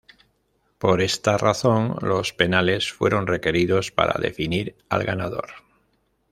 Por esta razón, los penales fueron requeridos para definir al ganador.